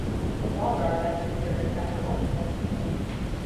Muldaur left the series after only one season.